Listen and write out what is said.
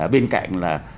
bên cạnh là